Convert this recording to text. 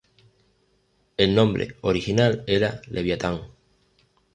El nombre original era Leviatán.